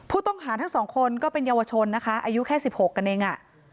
ผู้ต้องหาทั้งสองคนก็เป็นเยาวชนนะคะอายุแค่๑๖กันเอง